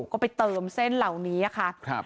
ก็ไปเติมเส้นเหล่านี้ค่ะ